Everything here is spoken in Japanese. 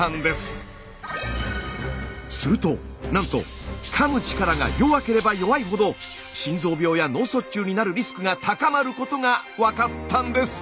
するとなんとかむ力が弱ければ弱いほど心臓病や脳卒中になるリスクが高まることが分かったんです。